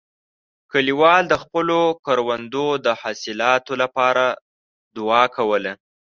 کلیوال د خپلو کروندو د حاصلاتو لپاره دعا کوله.